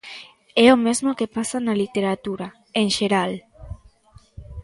É o mesmo que pasa na literatura, en xeral.